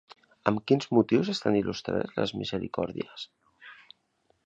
Amb quins motius estan il·lustrades les misericòrdies?